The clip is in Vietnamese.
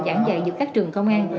giảng dạy giữa các trường công an